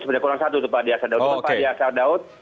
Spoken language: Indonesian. sebenarnya kurang satu pak adiasa daud pak adiasa daud